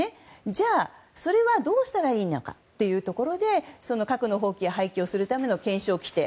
じゃあ、それはどうしたらいいのかというところで核の放棄や廃棄をするための検証規定